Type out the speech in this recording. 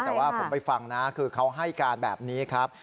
แต่ว่าผมไปฟังนะคือเขาให้การแบบนี้ครับ